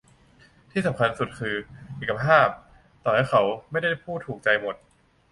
ที่สำคัญสุดคือ "เอกภาพ" ต่อให้เขาไม่ได้พูดถูกใจหมด